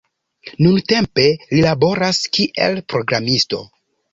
Nuntempe li laboras kiel programisto.